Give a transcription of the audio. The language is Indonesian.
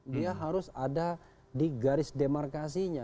dia harus ada di garis demarkasinya